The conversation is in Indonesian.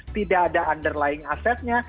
tidak ada underlying asetnya